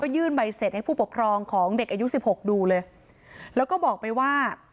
ยื่นใบเสร็จให้ผู้ปกครองของเด็กอายุสิบหกดูเลยแล้วก็บอกไปว่า